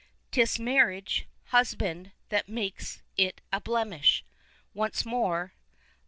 'Tis marriage, husband, that makes it a blemish." Once more.